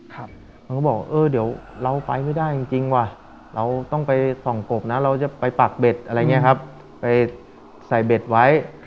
เขาก็บอกเออเดี๋ยวเราไปไม่ได้จริงว่ะเราต้องไปส่องกบนะเราจะไปปากเบ็ดอะไรอย่างนี้ครับไปใส่เบ็ดไว้